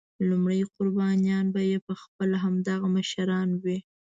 لومړني قربانیان به یې پخپله همدغه مشران وي.